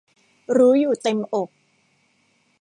รู้อยู่เต็มอก